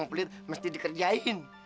gue beli mesti dikerjain